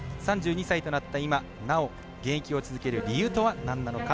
３２歳となった今、まだなお現役を続ける理由はなんなのか。